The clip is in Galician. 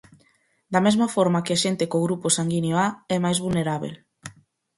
Da mesma forma que a xente co grupo sanguíneo A é máis vulnerábel.